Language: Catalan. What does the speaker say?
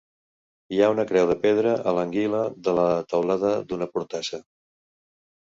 Hi ha una creu de pedra a l'anguila de la teulada d'una portassa.